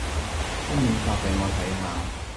封面發畀我睇下